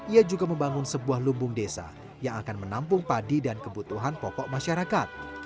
ia juga membangun sebuah lumbung desa yang akan menampung padi dan kebutuhan pokok masyarakat